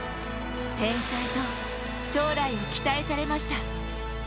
天才と将来を期待されました。